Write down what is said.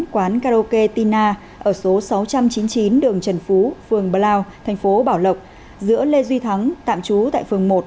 quán karaoke tina ở số sáu trăm chín mươi chín đường trần phú phường blau thành phố bảo lộc giữa lê duy thắng tạm trú tại phường một